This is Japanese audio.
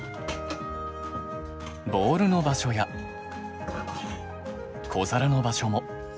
ボウルの場所や小皿の場所も。